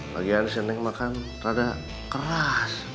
bagian sini makan terada keras